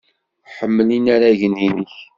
Ḥemmel inaragen-nnek.